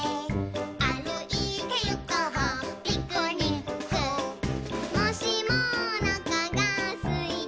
「あるいてゆこうピクニック」「もしもおなかがすいたなら」